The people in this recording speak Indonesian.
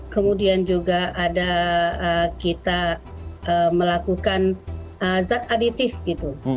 kemudian juga ada kita melakukan zat aditif gitu